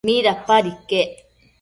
¿midapad iquec?